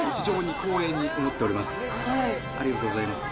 ありがとうございます。